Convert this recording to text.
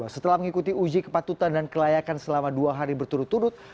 setelah mengikuti uji kepatutan dan kelayakan selama dua hari berturut turut